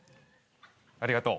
ありがとう。